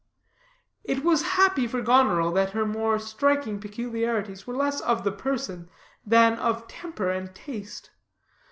It was happy for Goneril that her more striking peculiarities were less of the person than of temper and taste.